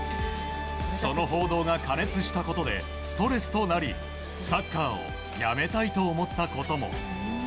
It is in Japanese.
その報道が過熱したことでストレスとなりサッカーをやめたいと思ったことも。